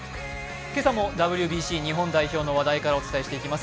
今朝もＷＢＣ日本代表の話題からお伝えします。